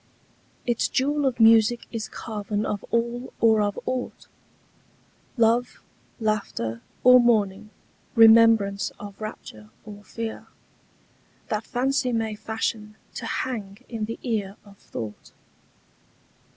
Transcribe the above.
Its jewel of music is carven of all or of aught— Love, laughter, or mourning—remembrance of rapture or fear— That fancy may fashion to hang in the ear of thought.